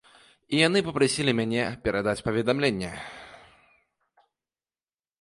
І яны папрасілі мяне перадаць паведамленне.